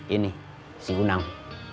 ini si hunang